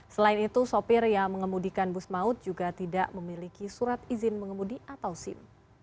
selain itu sopir yang mengemudikan bus maut juga tidak memiliki surat izin mengemudi atau sim